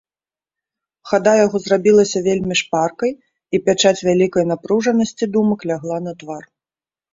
Хада яго зрабілася вельмі шпаркай, і пячаць вялікай напружанасці думак лягла на твар.